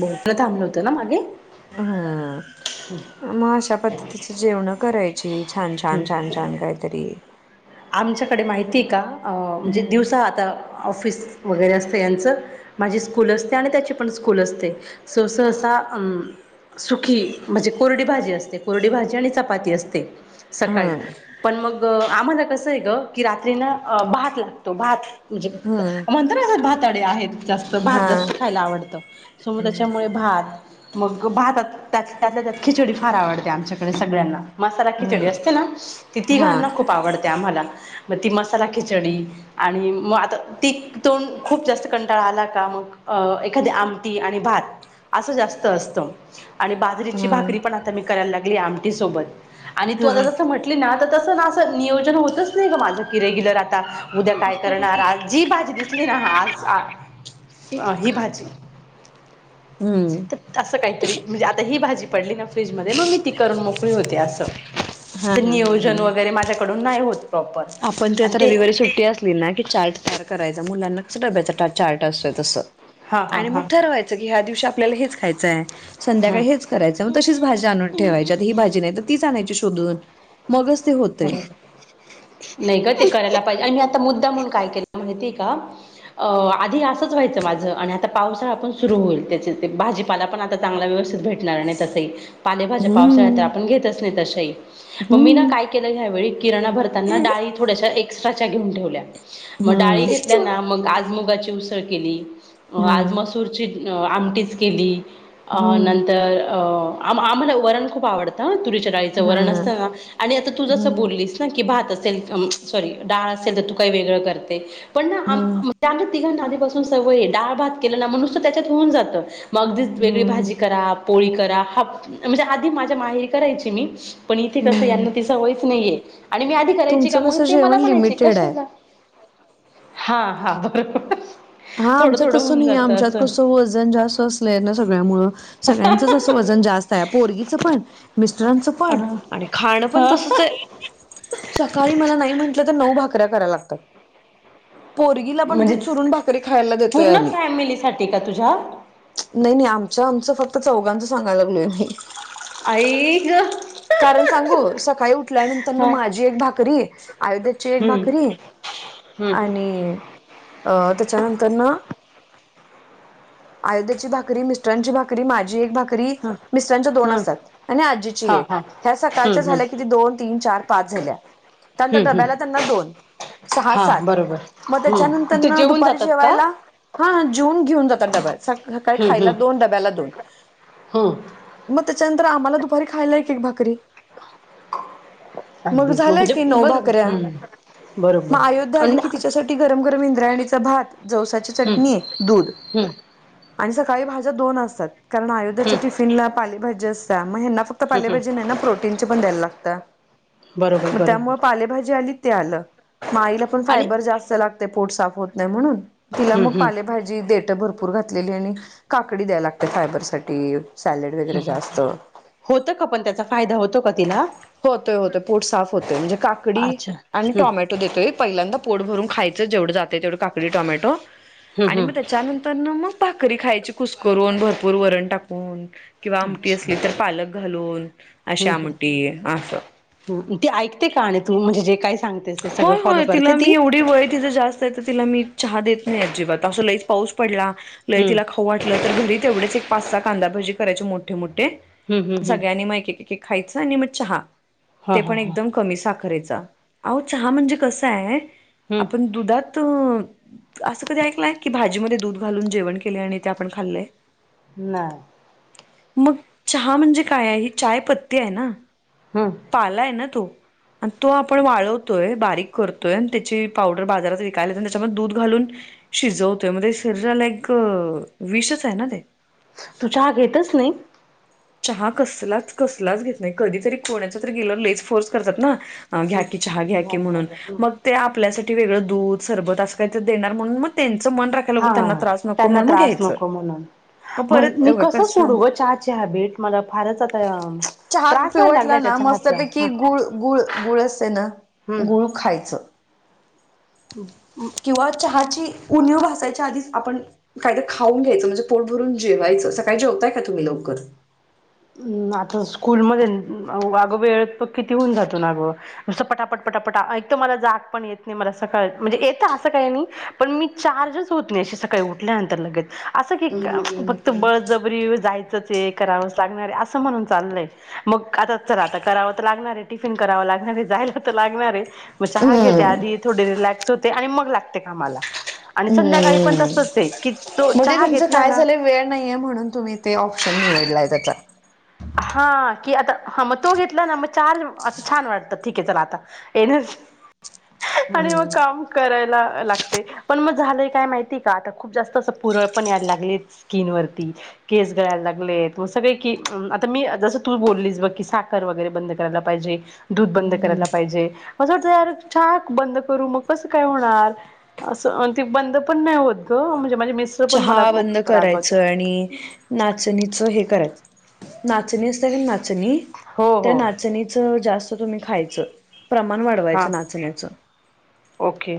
बोलण थांबव होत ना हा मग अशा पद्धतीच जेवणं करायची छान, छान, छान, छान काहीतरी आमच्याकडे माहिती का म्हणजे हम्म दिवसा आता ऑफिस वगैरे असत यांचं माझी स्कूल असते आणि त्याची पण स्कूल असते सो सहसा सुखी म्हणजे कोरडी भाजी असते कोरडी भाजी आणि चपाती असते सकाळी हम्म पण मग आम्हाला कसं आहे ग की रात्री ना भात लागतो भात म्हणजे हम्म म्हणत भातडे आहेत जास्त भात हा जास्त खायला आवडतं सो मग हम्म त्याच्यामुळे भात मग भातात त्यात, त्यात खिचडी फार आवडते आमच्याकडे सगळ्यांना मसाला खिचडी असते हम्म ना ती, हा तिघांना खूप आवडते आम्हाला मग ती मसाला खिचडी आणि मग आता ती तोंड खूप जास्त कंटाळा आला का मग अ एखादी आमटी आणि भात असं जास्त असतं आणि बाजरीची हम्म भाकरी पण आता मी करायला लागली आमटी सोबत आणि तू हम्म हम्म आता जस म्हटली ना तस ना नियोजन होतच नाही ग माझ की रेग्युलर आता उद्या काय करणार जी भाजी आज ही भाजी तर असं काही तरी म्हणजे आता ही भाजी पडली ना फ्रीजमध्ये मग मी ती करून मोकळी होते असं हा हा हा नियोजन हा वगैरे माझ्याकडून नाही होत प्रॉपर आपण ते आता रविवारी सुट्टी असली ना की चार्ट चार करायचा मुलांना कसं डब्याचा टा चार्ट असतोय तसं हां हां आणि मग हां ठरवायचं की ह्या दिवशी आपल्याला हेच खायचंय हां संध्याकाळी हेच करायचंय मग तशीच भाजी आणून ठेवायची आता ही भाजी नाही तर तीच आणायची शोधून मगच ते होतय नाही ग ते करायला पाहिजे आणि मी आता मुद्दामुन काय केला माहितीय का आधी असंच व्हायचं माझ आणि आता पावसाळा पण सुरु होईल त्याच्यात ते भाजीपाला पण आता चांगला व्यवस्थित भेटणार आणि तसही पालेभाज्या पावसाळ्यात तर आपण घेतच नाही तशाही हम यावेळी किरणा भरताना डाळी थोड्याशा एक्स्ट्राच्या घेऊन ठेवल्या. म डाळी घेतल्या हम्म. ना मग आज मुगाची उसळ केली हा आज मसूरची आमटीच केली. अ हम्म नंतर आम आम्हाला वरण खूप आवडतं ह तुरीच्या डळीचं हा वरण असतना आणि आता जस हम्म बोललीस ना की भात असेल सॉरी डाळ असेल तर तू काही वेगळं करते पण ना हम्म आम्हा [inaudible] तिघांना आदीपासून सवयी डाळ भात केलं ना म नुसत त्याच्यात होऊन जात मग अगदीच वेगळी हम्म भाजी करा पोळी करा हा म्हणजे आधी माझ्या माहेरी करायची मी पण इथे कसं हम्म यांना ती सवयच नाहीय आणि मी आधी करायची का तुमचं मग कसं ते मला जेवण म्हणायचे लिमिटेड आहे. कशाला हा हा बरोबर हा थोडं आमच्यात थोडं तसं होऊन नाही जातं आमच्यात असं कसं वजन जास्त असलंय ना सगळ्या मुळें सगळ्यांचंच असं वजन वजन जास्त आहे पोरगीच पण मिस्टरांच हा आणि खान पण तसच आहे सकाळी मला नाही म्हंटलं तर नऊ भाकऱ्या कराय लागतात पोरगीला पण ती म्हणजे चुरून भाकरी खायला देतोय पूर्ण आम्ही. फॅमिलीसाठी का तुझ्या? नय नय आमच्या आमचं फक्त चौघांचं सगयला लागलोय मी आई ग कारण सांगू सकाळी उठल्यानंतर न हा माझी एक भाकरी अयोध्याची एक हम्म भाकरी हम्म आणि अ त्याच्या नंतर न अयोध्याची भाकरी मिस्टरांची भाकरी माझी एक भाकरी भाकरी हम्म मिस्टरांच्या दोन हम्म असत्यात आणि आजीचे हा एक हा ह्या सकाळच्या हम्म हम्म झाल्या किती दोन तीन चार पाच झाल्या त्यानंतर हम्म हम्म डब्याला त्यांना दोन सहा हा सात बरोबर मग हम्म ते त्याच्यानंतर जेवून दुपारी जातात का? जेवायला हा जेवून घेऊन जातो [inaudible] डबा आहे सकाळी हम्म खायला हम्म दोन डब्याला दोन. हम्म मग त्याच्यानंतर आम्हाला दुपारी खायला एक एक भाकरी मग अगदीच झालं म्हणजे की नऊ बरोबर भाकऱ्या हम्म बरोबर मग अयोध्या आणि आली की हम्म तिच्यासाठी गरम गरम इंद्रायणीचा भात जवसाची चटणी दूध हम आणि सकाळी भाज्या दोन असतात. कारण हम्म अयोध्याच्या टिफिनला पालेभाजी असत्या मग हेना फक्त हम्म हम्म पालेभाजी प्रोटीनच पण द्यायला लागत्या बरोबर म बरोबर त्यामूळ पालेभाजी आणि ते आलं म आईला पण आणि फायबर जास्त लागतय पोट साफ होत नाही म्हणून तिला हम्म मग हम्म पालेभाजी देतोय भरपूर घातलेली आणि काकडी द्यायला लागत्या फायबर साठी [inaudible] होतो का पण त्याचा फायदा होतो का तिला होतय होतय पोट साफ होतोय म्हणजे काकडी अच्छा आणि हम्म टोमॅटो देतोय पहिल्यांदा पोट भरून खायचं जेवढ जातंय तेवढं काकडी टोमॅटो हम्म आणि म हम्म त्याच्या नंतर्न मग भाकरी खायची कुसकरून भरपूर वरण टाकून किंवा आमटी असली तर पालक घालून अशी हम हम आमटी असं हम ती ऐकते का आणि तू म्हणजे जे काय सांगतेस ते सगळं होय फॉलो होय करते तिला मी ती? एवढी वय तिच जास्त आहे त तिला मी चहा देत नाही अजिबात असं लईच पाऊस पाडला लय हम्म तिला खाऊ वाटल तर घरी तेवढेच एक पाच साहा कांदा भजी करायची मोठे मोठे हम्म हम्म हम्म सगळ्यांनी म एक एक खायच आणि मग चहा हा ते हा पण हा एकदम कमी साखरेचा अहो चहा म्हणजे कस आहे आपण हम्म दुधात असं कधी ऐकलंय की भाजी म दूध घालून जेवण केले आणि ते आपण खाल्ले नाही मग चहा म्हणजे काय आहे ही चाय पत्ती आहे ना हम्म पाला आहे ना तो आणि तो आपण वाळव त्याड त्या द घा शरीराला एक विषच आहे ना ते तु चाहा घेतच नाही चहा कसलाच कसलाच घेत नाही कधीतरी कोणाच तरी गेलं लेज फोर्स करतात ना घ्या की चहा हम्म घ्या की म्हणून घ्या हम्म मग ते आपल्यासाठी वेगळ दूध सरबत असं का देणार म्हणून म त्यां मन राखायलाग त्यांना हा त्रास नको म्हणून मग घ्यायचं मग म परत मी कसं सोडू ग चहा हॅबेट मला फारच आता चहा त्रास व्हायला पिवटला लागलाय त्या ना चहाचा मस्तपैकी हम्म. गुळ गुळ गुळ असते ना हम्म गुळू खायचं किंवा चहाची कुणीिव भसायच्याधीच आपण कायदा खऊ घ्यायचं म्हणजे पोट भरून जेवायचं सकाळी जेवताय का तुम्ही लक कुकर आता स्कूल म आगं वेळ प किती होऊन जातग पटापट पटापट एक मला जाग पण येत नाही मला सकाळ म्हणजे येत असं काही नाही पण मी चार्जच होत नाही सकाळी उल्यानंतर लगे अस क फक्त बळ जबरी जायचंच करा लाग अस म्हणून चालय मग आता च आता कराव तर लागणार टिफिन करावं लागणार जाय लागणारे मग चहा घेते आधी थोडे रिलॅक्स होते आणि मग लागते कामाला आणि संध्याकाळी पण म् तसच आहे की तो म चहा तुमच घेतला काय ना झालं वेळ नाहीये म्हणून तुम्ही ते ऑशन हा की आता हा मग तो घेतला ना मग चारज असं छान वाटतं ठीक आहे चला आता येन आणि मग हम्म काम करायच ला पण मग झालं काय माहिती का आता खूप जास्त अस पुरळ पण या लागले स्किन वरती केस गयला लागले स तर मी जसं तू बोललीस ब की साखर वगैरे बंद करायला पाहिजे दूध बंद करायला पाहिजे असं वाटत यार छाक बंद करू मग कसं काय होणार असं ते बंद पण नाही होत ग म्हण चहा बंद करायचं आणि नाचणीचं हे करायचं नाचणी असत का नाचणी हो त्या हो नाचणीच जास्त तुम्ही खायच प्रमाण हां वाढवायचं नाचण्याच ओके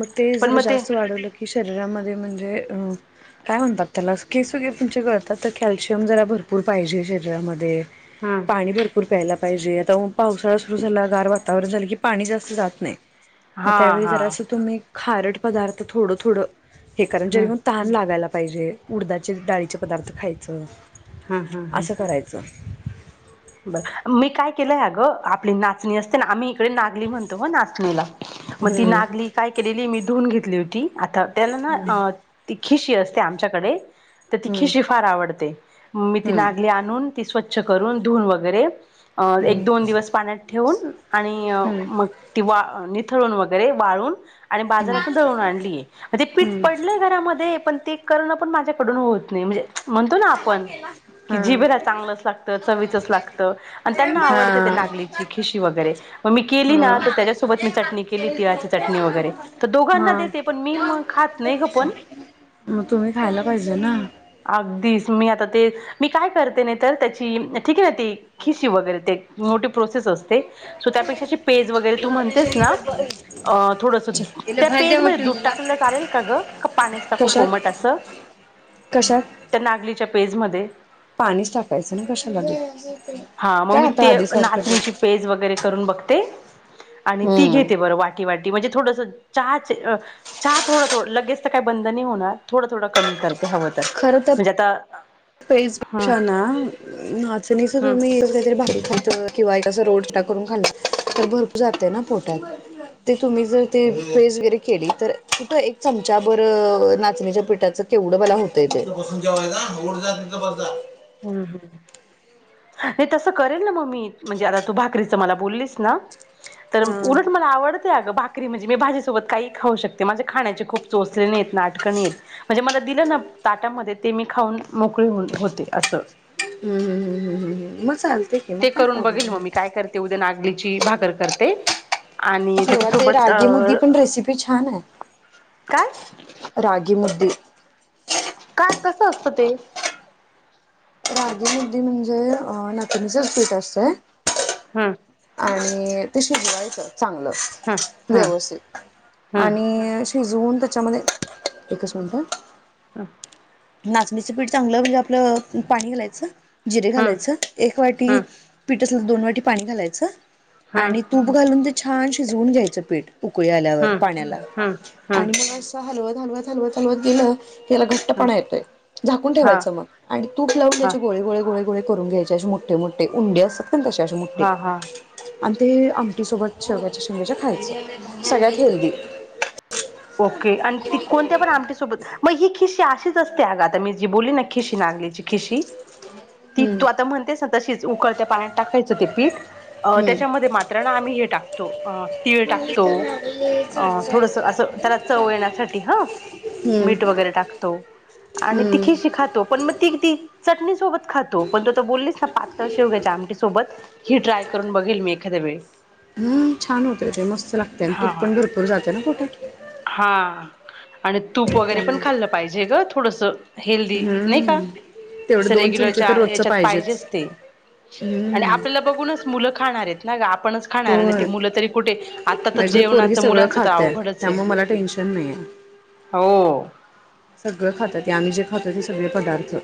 मग ते पण जरा मग ते जास्त वाढवलं की शरीरामध्ये म्हणजे अं काय म्हणतात त्याला केस वगैरे तुमचे कळतात तर कॅल्शियम जरा भरपूर पाहिजे शरीरामध्ये हा पाणी भरपूर प्याला पाहिजे आता पावसाळा सुरू झाला गार वातावरण झालं की पाणी जास्त जात नाही हा मग त्यावेळी हा जरा असं तुम्ही खारड पदार्थ थोडं थोडं हे कारण हा जरी मग बघायला पाहिजे उडदाचे डाळीचे पदार्थ खायचं हा हा हा असं करायचं बर मी काय केलंय अ गं आपली नाचणी असते ना आम्ही तडे नागली म्हणत म नाचणीला मग ती हम्म नागली काय केलेली मी धुून घेतली होती आता त्याना ना अ हम्म ती खिशी असते आमच्याकडे तर ती खिशी फार आवडते मी ती हम्म नागली आणून ती स्वच्छ करून धुून वगैरे अ एक हम्म दोन दिवस पाण्यात ठेवून आणि मग ती वा ळून वगैरे वाळून आणि बाजारातून ळून आणली ते पीठ हम्म पडलंय घरामध्ये पण ते करण पण माझ्याकडून होत नाही म्हणजे म्हणतो ना आपण की जीब हम्म चांगलंच लागत त्यां आ हा नाग हा ख वरी केली हा त्या च केली तिळाची चटणी वगैरे तर दोघांना हा देते पण मी खात नाही पण मग तुम्ही खायला पाहिजे ना अगदीच मी आता ते मी काय करते नाही तर त्याची ठीक आहे ना खशी वगैरे मोठी प्रोसेस असते त्यापेक्षा पेज वगैरे तू म्हणतेस ना अ थोडस तिला त्या भात द्या पेजमध्येध्ये वाटून दूध मला. टाकलेलं चालेल का ग का पाण्यास टाकू कोमट असं ज त्या नागलीच्या पेज म पाणी टाकायचं ना कशा लागेल हा मग मी ते नाचणींची पेज वगैरे करून बघते आणि ती हम्म घेते बरं वाटी वाटी म्हणजे थोडस हा थोडं थोडं लगेच तर काही बंधन होणार थोडं थोडं कमी कर ते हवं तर म्हणजे आता पेस हम्म पेक्षा ना नाचणीच हम्म तुम्ही काहीतरी भाकी खात किंवा रोडा करून खाल्ला तर भरपूर जातय ना पोटात. ते तुम्ही जर ते पेस वगैरे केली तर तु एक चमचा बर नाचणीच्या पीठाच केवढं बला होतंये ते. हम्म हम्म ये तस करेल ना मम्मी म्हणजे आता तू भाकरी मला बोललीस ना तर हा. उलट मला आवडते अगं भा करी म्हणे मी भाजीसोबत काही खाऊ शकते माझे खाण्याचे खप चोचले नाहीत नाटक नाहीत म्हणजे मला दिलं ना ताटामध्ये ते मी खाऊन मोकळी होते असं. हम्म हम्म हम्म हम्म हम्म हम म चाल ते करून बघेल मग मी काय करते उद्या नागलीची भाकर करते. आणि किव्हा ते त्याच्यासोबत अ रागी मुदी पण रेसिपी छान आहे. काय रागीमुद्दी. काय कसं असतं ते? रागीमुद्दी म्हणजे नाकनीचच पीठ असतंय. हम्म. आणि ते शिजवायचं. चांगलं हम्म हम्म व्यवथित आणि शिजऊन. त्याच्यामध्ये एकच मिनटं. हम् नाचणीचं पीठ चांगलं म्हणजे आपलं पाणी घालायचं जिरे हम्म घालायचं एक हम्म वाटी हम्म पिठतलं दोन वाटी पाणी घालायचं हम्म आणि तूप घालून ते छान शिजवून घ्यायचं पीठ उकळी हम्म आल्यावर पाण्याला हम्म हम्म हम्म आणि मग असं हलवत हलवत हलवत हलवत गेलं त्याला हम्म घट्टपणा येतोय झाकून हा ठेवायचं मग आणि तूप लावून हा त्याचे गोळे गोळे गोळे गोळे करून घ्यायचे. असे मोठे मोठे उंडे असतात कणी तसे असे मोठे. हा हा आणि ते आमटी सोबत शेवग्याच्या शेवगायच्या खायचं सगळ्यात हेल्दी. ओके आणि ती कोणत्या पण आमटीसोबत मग ही खिशी अशीच असते अ ग आता मी जी बोलली ना खिशी नागलीची खिशी. ती हम्म तू आता म्हणतेस ना तशीच उकळत पाण्यात टाकायचं ते पीठ. अ हम्म. त्याच्यामध्ये मात्र ना आम्ही हे टाकतो अ तीळ मला टाकतो. तर लागले अ थोडस चटचट असं त्याला चव येण्यासाठी हम्म मीठ वगैरे टाकतो आणि ती हम्म. खिशी खातो. पण मग ती ति चटणी सोबत खातो पण तू बोलली ना पातळ शेवग्याच्या आमटी सोबत ही ट्राय करून बघेल मी एखाद वेळी. हं छान होते मस्त लागते आणि हा तूप पण भरपूर जाते ना पोटात. हा. आणि तूप वगैरे पण त्यामुळे खाल्लं पाहिजे ग थोडसं हेल्दी नाही का. हम्म तेवढे असं दोन चमचे रेग्युलरच्या तर रोजचं याच्यात पाहिजेच ते आणि हम्म आपल्याला बघूनच मुलं खाणार आहेत. ना ग आपणच खाणार नाही ते होय. मुलं तरी कुठे आता तर माझी पोरगी जेवणाच सगळं मुलांच तर खात्या अवघडच आहे. त्यामुळे टेन्शन नाहीये हो सगळं खातात आम्ही जे खाताचे सगळे पदार्थ.